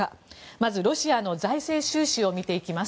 まず、ロシアの財政収支を見ていきます。